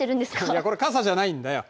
いやこれ傘じゃないんだよ。